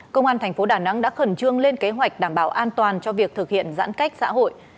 công an thành phố đà nẵng đã khẩn trương lên kế hoạch đảm bảo an toàn cho việc thực hiện giãn cách xã hội